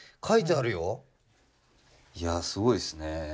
いやすごいっすね。